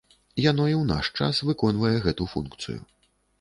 Яно і ў наш час выконвае гэту функцыю.